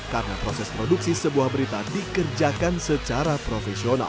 karena proses produksi sebuah berita dikerjakan secara profesional